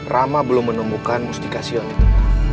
rama belum menemukan mustikasion itu